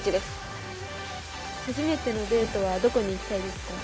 初めてのデートはどこに行きたいですか？